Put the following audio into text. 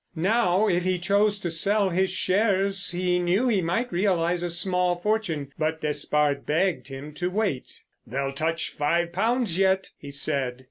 Now, if he chose to sell his shares he knew he might realise a small fortune. But Despard begged him to wait. "They'll touch five pounds yet," he said.